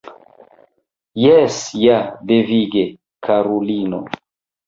Jes ja, devige, karulino.